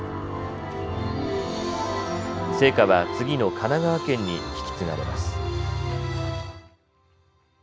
聖火は次の神奈川県に引き継がれます。